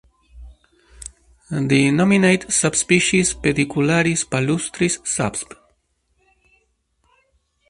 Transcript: The nominate subspecies "Pedicularis palustris" subsp.